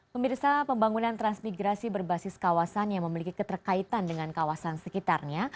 pemirsa pembangunan transmigrasi berbasis kawasan yang memiliki keterkaitan dengan kawasan sekitarnya